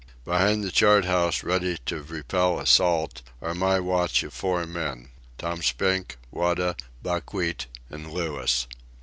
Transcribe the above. Behind the chart house, ready to repel assault, are my watch of four men: Tom Spink, Wada, Buckwheat, and Louis.